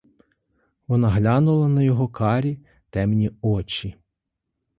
Вона глянула на його карі темні очі.